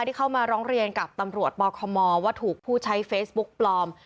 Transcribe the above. ที่เข้ามาร้องเรียนกับตำรวจปคมว่าถูกผู้ใช้เฟซบุ๊กปลอม